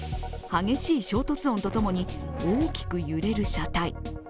激しい衝突音と共に大きく揺れる車体。